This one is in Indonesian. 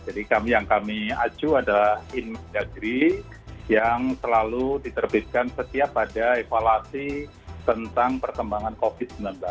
jadi yang kami acu adalah inmen dagri yang selalu diterbitkan setiap ada evaluasi tentang perkembangan covid sembilan belas